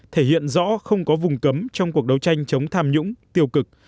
thể hiện rõ không có vùng cấm trong cuộc đấu tranh chống tham nhũng tiêu cực